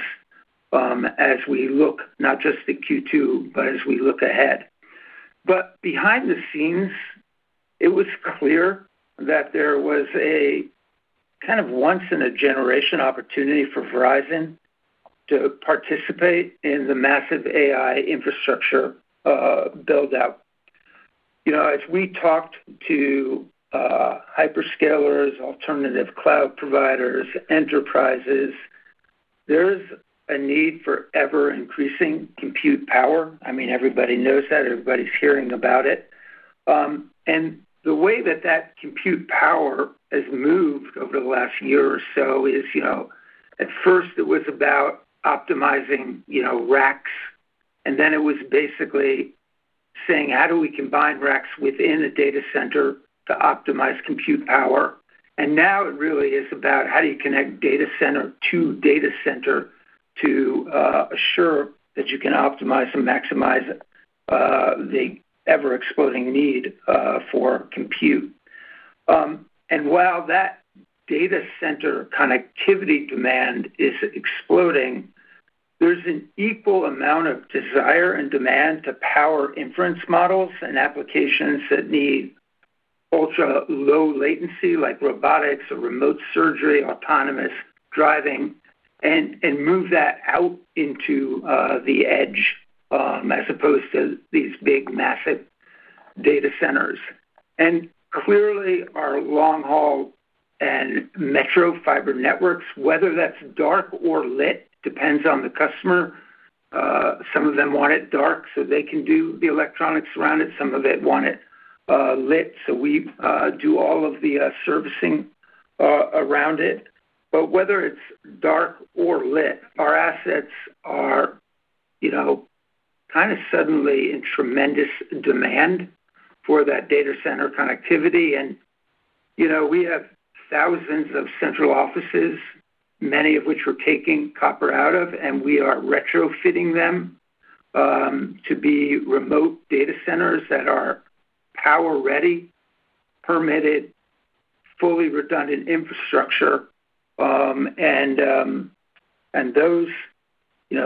as we look not just at Q2, but as we look ahead. Behind the scenes, it was clear that there was a kind of once in a generation opportunity for Verizon to participate in the massive AI infrastructure build-out. As we talked to hyperscalers, alternative cloud providers, enterprises, there is a need for ever-increasing compute power. Everybody knows that. Everybody's hearing about it. The way that compute power has moved over the last year or so is, at first it was about optimizing racks, then it was basically saying, how do we combine racks within a data center to optimize compute power? Now it really is about how do you connect data center to data center to assure that you can optimize and maximize the ever-exploding need for compute. While that data center connectivity demand is exploding, there's an equal amount of desire and demand to power inference models and applications that need Ultra-low latency like robotics or remote surgery, autonomous driving, and move that out into the edge as opposed to these big massive data centers. Clearly, our long-haul and metro fiber networks, whether that's dark or lit, depends on the customer. Some of them want it dark so they can do the electronics around it. Some of it want it lit, so we do all of the servicing around it. Whether it's dark or lit, our assets are suddenly in tremendous demand for that data center connectivity. We have thousands of central offices, many of which we're taking copper out of, and we are retrofitting them to be remote data centers that are power ready, permitted, fully redundant infrastructure.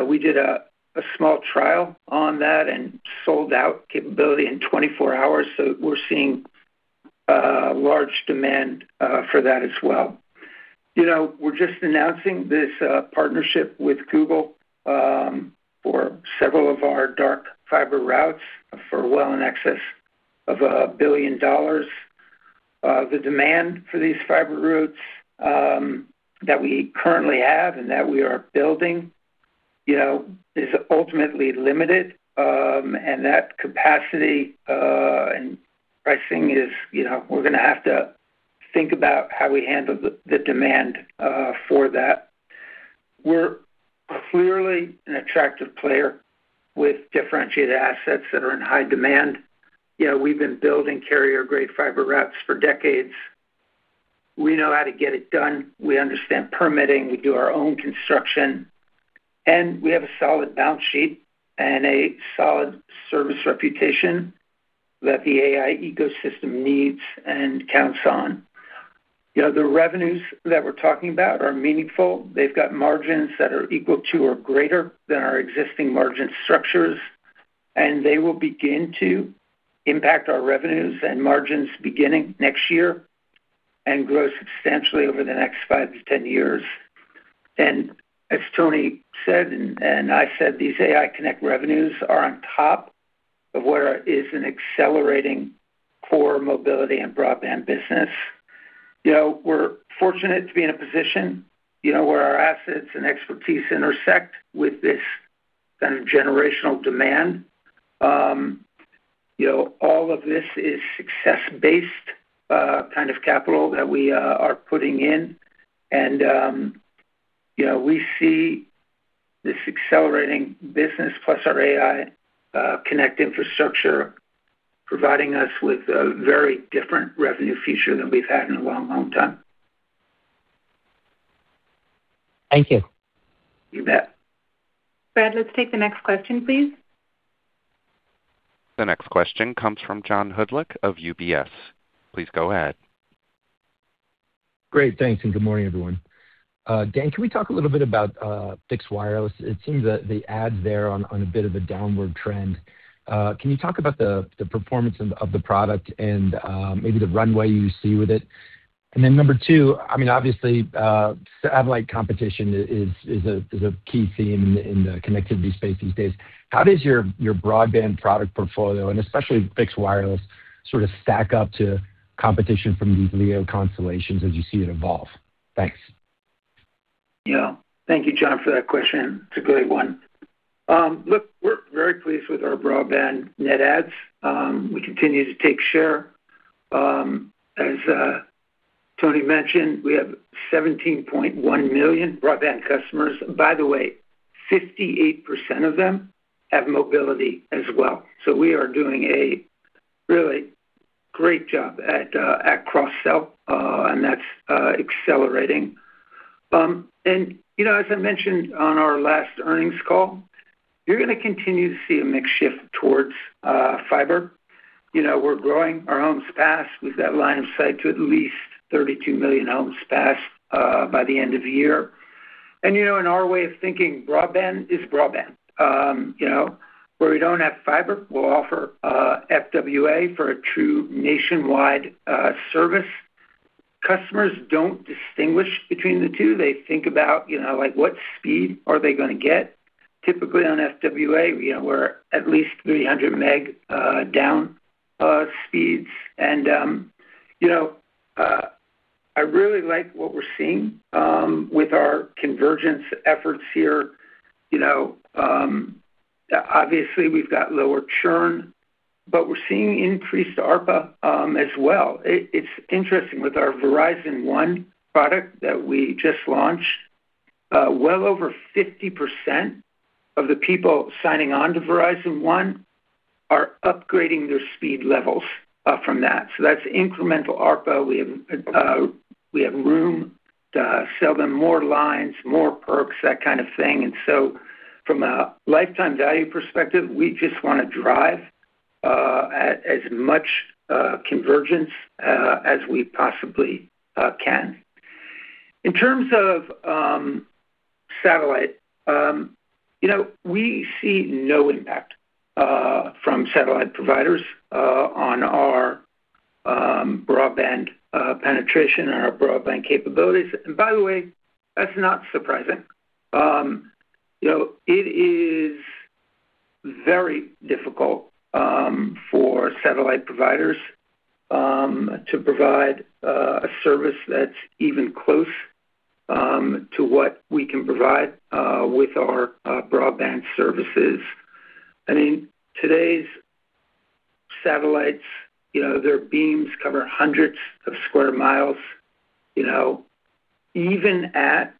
We did a small trial on that and sold out capability in 24 hours, so we're seeing large demand for that as well. We're just announcing this partnership with Google for several of our dark fiber routes for well in excess of $1 billion. The demand for these fiber routes that we currently have and that we are building is ultimately limited. That capacity and pricing is, we're going to have to think about how we handle the demand for that. We're clearly an attractive player with differentiated assets that are in high demand. We've been building carrier-grade fiber routes for decades. We know how to get it done. We understand permitting. We do our own construction, and we have a solid balance sheet and a solid service reputation that the AI ecosystem needs and counts on. The revenues that we're talking about are meaningful. They've got margins that are equal to or greater than our existing margin structures, they will begin to impact our revenues and margins beginning next year and grow substantially over the next 5-10 years. As Tony said and I said, these AI Connect revenues are on top of what is an accelerating core mobility and broadband business. We're fortunate to be in a position where our assets and expertise intersect with this kind of generational demand. All of this is success-based kind of capital that we are putting in, and we see this accelerating business plus our Verizon AI Connect infrastructure providing us with a very different revenue future than we've had in a long, long time. Thank you. You bet. Brad, let's take the next question, please. The next question comes from John Hodulik of UBS. Please go ahead. Great. Thanks, good morning, everyone. Dan, can we talk a little bit about Fixed Wireless? It seems that the ads there on a bit of a downward trend. Can you talk about the performance of the product and maybe the runway you see with it? Number two, obviously, satellite competition is a key theme in the connectivity space these days. How does your broadband product portfolio, and especially Fixed Wireless, sort of stack up to competition from these LEO constellations as you see it evolve? Thanks. Thank you, John, for that question. It's a great one. Look, we're very pleased with our broadband net adds. We continue to take share. As Tony mentioned, we have 17.1 million broadband customers. By the way, 58% of them have mobility as well. We are doing a really great job at cross-sell, that's accelerating. As I mentioned on our last earnings call, you're going to continue to see a mix shift towards fiber. We're growing our own passings with that line of sight to at least 32 million home passings by the end of the year. In our way of thinking, broadband is broadband. Where we don't have fiber, we'll offer FWA for a true nationwide service. Customers don't distinguish between the two. They think about what speed are they going to get. Typically, on FWA, we're at least 300 meg down speeds. I really like what we're seeing with our convergence efforts here. Obviously, we've got lower churn, we're seeing increased ARPA as well. It's interesting with our Verizon One product that we just launched, well over 50% of the people signing on to Verizon One are upgrading their speed levels from that. That's incremental ARPA. We have room to sell them more lines, more perks, that kind of thing. From a lifetime value perspective, we just want to drive as much convergence as we possibly can. In terms of satellite, we see no impact from satellite providers on our broadband penetration and our broadband capabilities. By the way, that's not surprising. It is very difficult for satellite providers to provide a service that's even close to what we can provide with our broadband services. I mean, today's satellites, their beams cover hundreds of square miles. Even at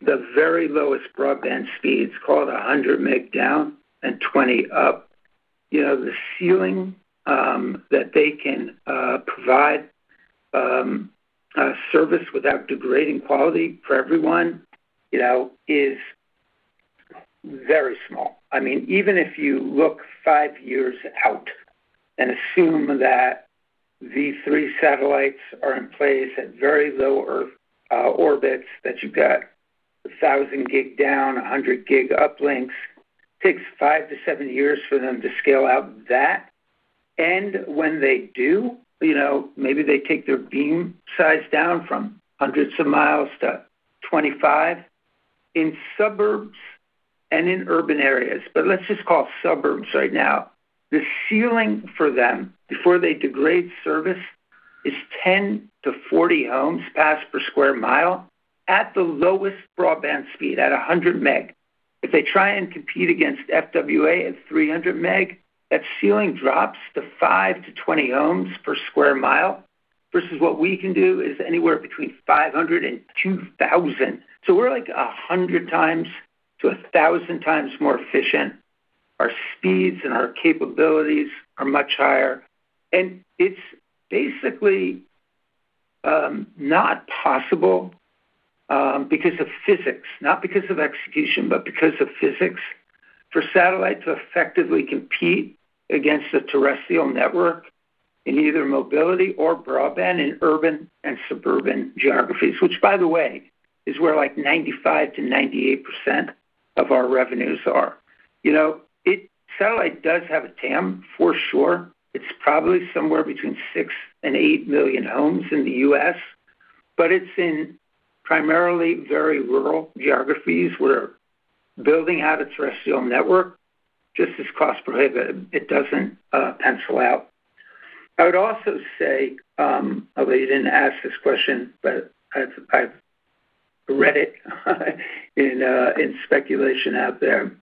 the very lowest broadband speeds, call it 100 meg down and 20 up, the ceiling that they can provide service without degrading quality for everyone is very small. I mean, even if you look five years out and assume that these three satellites are in place at very low Earth orbits, that you've got 1,000 gig down, 100 gig uplinks, takes five to seven years for them to scale out that. When they do, maybe they take their beam size down from hundreds of miles to 25. In suburbs and in urban areas, but let's just call it suburbs right now, the ceiling for them before they degrade service is 10-40 homes passed per square mile at the lowest broadband speed, at 100 meg. If they try and compete against FWA at 300 meg, that ceiling drops to 5-20 homes per square mile, versus what we can do is anywhere between 500 and 2,000. We're like 100x-1,000x more efficient. Our speeds and our capabilities are much higher. It's basically not possible because of physics, not because of execution, but because of physics, for satellite to effectively compete against a terrestrial network in either mobility or broadband in urban and suburban geographies, which, by the way, is where like 95%-98% of our revenues are. Satellite does have a TAM, for sure. It's probably somewhere between six and eight million homes in the U.S., but it's in primarily very rural geographies where building out a terrestrial network just is cost prohibitive. It doesn't pencil out. I would also say, although you didn't ask this question, but I've read it in speculation out there,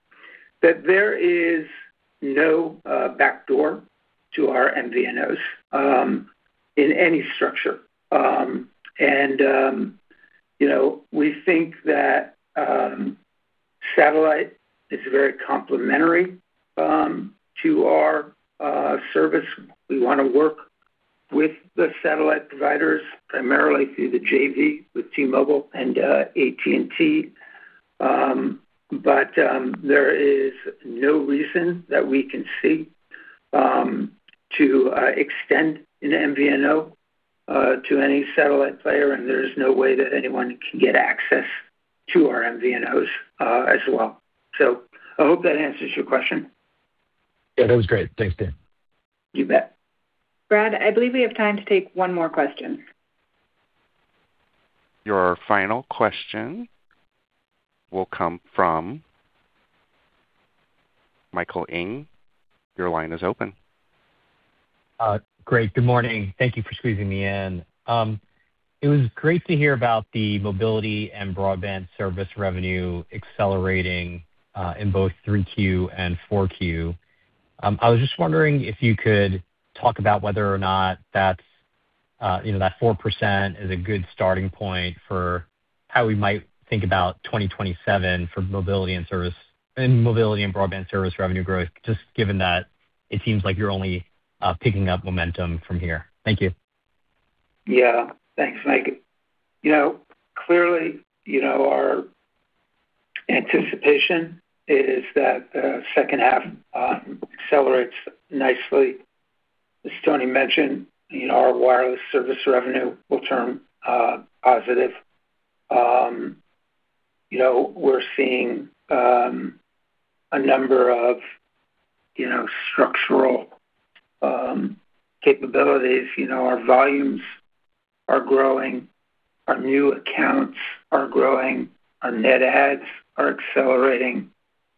that there is no backdoor to our MVNOs in any structure. We think that satellite is very complementary to our service. We want to work with the satellite providers, primarily through the JV with T-Mobile and AT&T. There is no reason that we can see to extend an MVNO to any satellite player, and there's no way that anyone can get access to our MVNOs as well. I hope that answers your question. Yeah, that was great. Thanks, Dan. You bet. Brad, I believe we have time to take one more question. Your final question will come from Michael Ng. Your line is open. Great. Good morning. Thank you for squeezing me in. It was great to hear about the mobility and broadband service revenue accelerating in both three Q and four Q. I was just wondering if you could talk about whether or not that 4% is a good starting point for how we might think about 2027 for mobility and broadband service revenue growth, just given that it seems like you're only picking up momentum from here. Thank you. Yeah. Thanks, Mike. Clearly, our anticipation is that the second half accelerates nicely. As Tony mentioned, our wireless service revenue will turn positive. We're seeing a number of structural capabilities. Our volumes are growing. Our new accounts are growing. Our net adds are accelerating.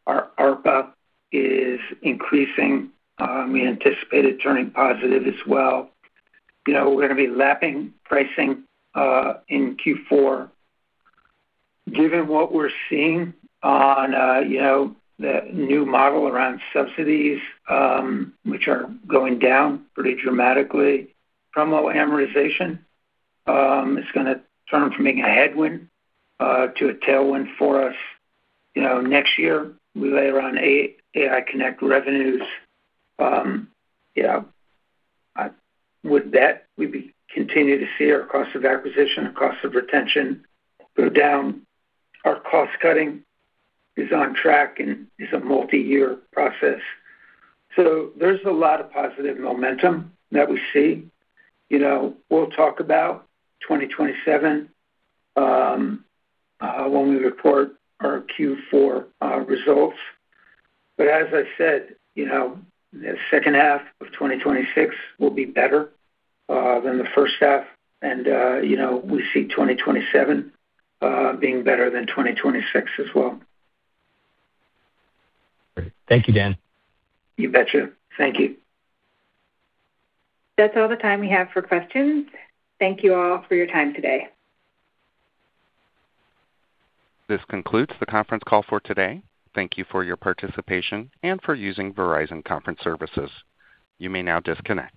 Our ARPA is increasing. We anticipate it turning positive as well. We're going to be lapping pricing in Q4. Given what we're seeing on the new model around subsidies, which are going down pretty dramatically, promo amortization is going to turn from being a headwind to a tailwind for us. Next year, we lay around AI connect revenues. I would bet we'd continue to see our cost of acquisition and cost of retention go down. Our cost cutting is on track and is a multi-year process. There's a lot of positive momentum that we see. We'll talk about 2027 when we report our Q4 results. As I said, the second half of 2026 will be better than the first half. We see 2027 being better than 2026 as well. Great. Thank you, Dan. You betcha. Thank you. That's all the time we have for questions. Thank you all for your time today. This concludes the conference call for today. Thank you for your participation and for using Verizon Conference Services. You may now disconnect.